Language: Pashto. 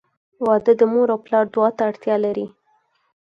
• واده د مور او پلار دعا ته اړتیا لري.